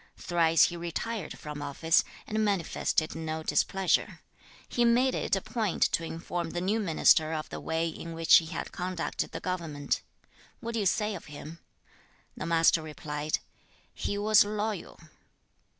Thrice he retired from office, and manifested no displeasure. He made it a point to inform the new minister of the way in which he had conducted the government; what do you say of him?' The Master replied. 'He was loyal.'